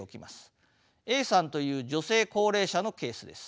Ａさんという女性高齢者のケースです。